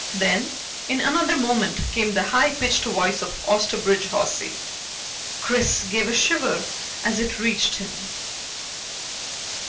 Then, in another moment, came the high pitched voice of Osterbridge Hawsey. Chris gave a shiver as it reached him.